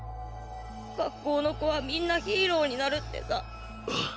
学校の子はみんなヒーローになるってさ。